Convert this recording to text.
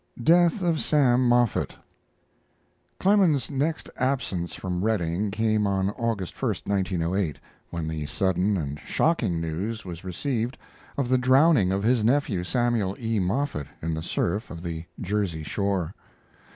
DEATH OF "SAM" MOFFETT Clemens' next absence from Redding came on August 1, 1908, when the sudden and shocking news was received of the drowning of his nephew, Samuel E. Moffett, in the surf of the Jersey shore.